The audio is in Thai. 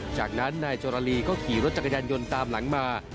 จากนั้นนายจรลีก็ขี่รถจักรยานยนต์ตามหลังมา